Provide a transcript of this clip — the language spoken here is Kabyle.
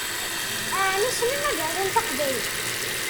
Ɛni ssnen ad arun taqbaylit?